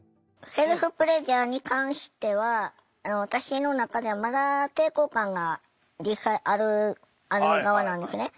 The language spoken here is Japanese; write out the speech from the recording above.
セルフプレジャーに関しては私の中ではまだ抵抗感が実際ある側なんですね。